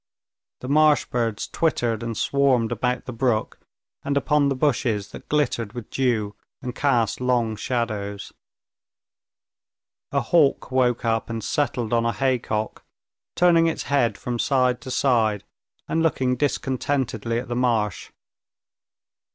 The marsh birds twittered and swarmed about the brook and upon the bushes that glittered with dew and cast long shadows. A hawk woke up and settled on a haycock, turning its head from side to side and looking discontentedly at the marsh.